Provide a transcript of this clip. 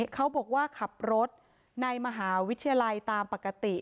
เขาบอกว่าขับรถในมหาวิทยาลัยตามปกติ